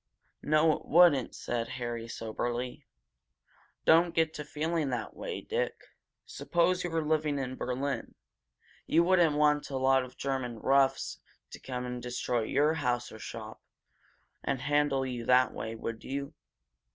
"No, it wouldn't," said Harry soberly. "Don't get to feeling that way, Dick. Suppose you were living in Berlin. You wouldn't want a lot of German roughs to come and destroy your house or your shop and handle you that way, would you?"